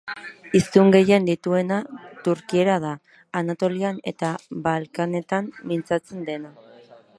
Hiztun gehien dituena turkiera da, Anatolian eta Balkanetan mintzatzen dena.